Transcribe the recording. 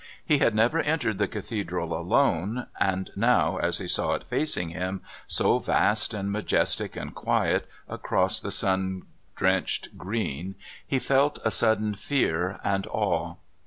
He had never entered the Cathedral alone, and now, as he saw it facing him, so vast and majestic and quiet, across the sun drenched green, he felt a sudden fear and awe.